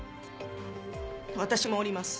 私も降ります